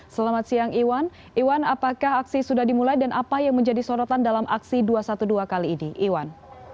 selamat siang iwan iwan apakah aksi sudah dimulai dan apa yang menjadi sorotan dalam aksi dua ratus dua belas kali ini iwan